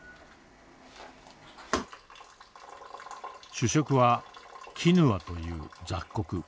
主食はキヌアという雑穀。